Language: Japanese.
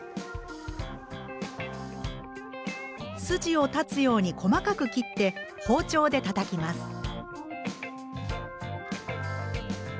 スジを断つように細かく切って包丁でたたきます。